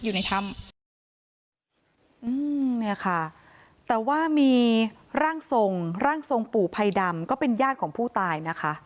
อืมแต่ว่ามีร่างทรงปู่ภัยดำก็เป็นญาติของผู้ตาย